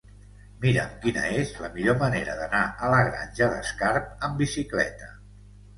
Mira'm quina és la millor manera d'anar a la Granja d'Escarp amb bicicleta.